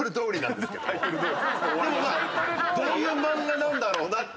でもまあどういう漫画なんだろうなって。